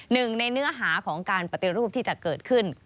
หนึ่งในเนื้อหาของการปฏิรูปที่จะเกิดขึ้น